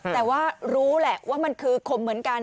แต่ว่ารู้แหละว่ามันคือคมเหมือนกัน